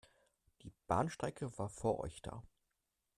Die Bahnstrecke war vor euch da.